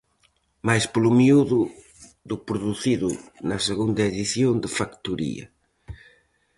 Máis polo miúdo, do producido na segunda edición da Factoría.